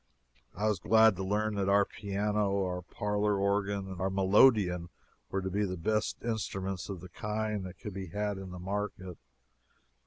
I was glad to learn that our piano, our parlor organ, and our melodeon were to be the best instruments of the kind that could be had in the market.